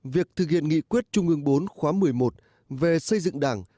việc thực hiện nghị quyết trung ương bốn khóa một mươi một về xây dựng đảng